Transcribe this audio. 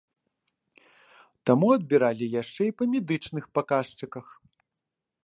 Таму адбіралі яшчэ і па медычных паказчыках.